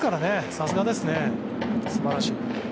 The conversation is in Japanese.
さすがですね。素晴らしい。